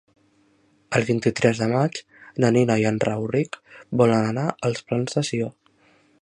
El vint-i-tres de maig na Nina i en Rauric volen anar als Plans de Sió.